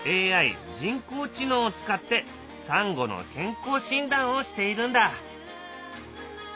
ＡＩ人工知能を使ってサンゴの健康診断をしているんだ。